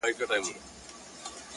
ډك د ميو جام مي د زړه ور مــات كړ”